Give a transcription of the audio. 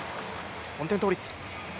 翻転倒立。